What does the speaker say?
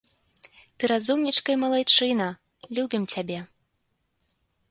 Ты разумнічка і малайчына, любім цябе.